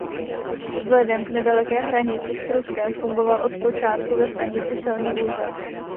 Vzhledem k nedaleké hranici s Pruskem fungoval od počátku ve stanici celní úřad.